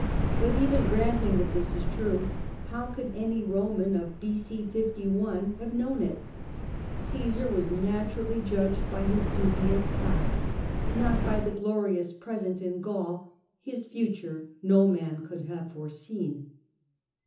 But even granting that this is true, how could any Eoman of B.c. 51 have known it ? Caesar was naturally judged by his dubious past, not by the glorious present in Gaul ; his future no man could have foreseen.